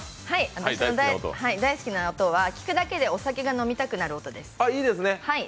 私の大好きな音は、聴くだけでお酒が飲みたくなる音です。